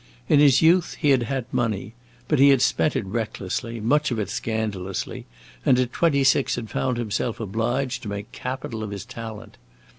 In his youth he had had money; but he had spent it recklessly, much of it scandalously, and at twenty six had found himself obliged to make capital of his talent.